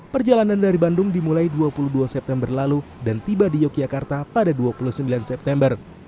perjalanan dari bandung dimulai dua puluh dua september lalu dan tiba di yogyakarta pada dua puluh sembilan september